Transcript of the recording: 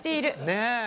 ねえ。